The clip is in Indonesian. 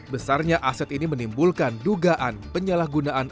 besarnya aset ini menimbulkan dugaan penyalahgunaan